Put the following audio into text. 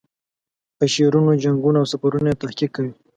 په شعرونو، جنګونو او سفرونو یې تحقیق کوي.